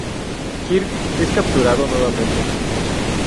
Kirk es capturado nuevamente.